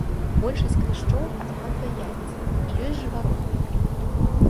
Большасць кляшчоў адкладвае яйцы, ёсць жывародныя.